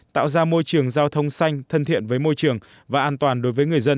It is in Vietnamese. tạo ra môi trường giao thông xanh thân thiện với môi trường và an toàn đối với người dân